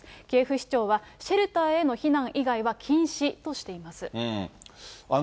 キエフ市長は、シェルターへの避難以外は禁止としています。